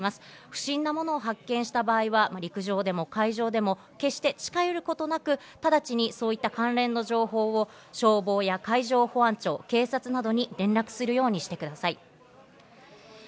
不審なものを発見した場合は陸上でも海上でも決して近寄ることなく、直ちにそういった関連の情報を消防や海上保安庁、警察などに連絡するようにしてください。